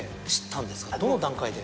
どの段階で？